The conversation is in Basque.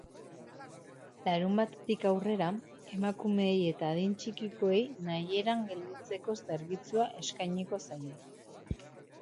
Larunbatetik aurrera, emakumeei eta adin txikikoei nahieran gelditzeko zerbitzua eskainiko zaie.